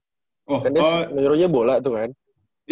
karena menurutnya bola tuh kan